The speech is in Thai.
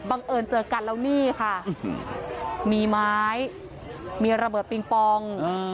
เอิญเจอกันแล้วนี่ค่ะมีไม้มีระเบิดปิงปอง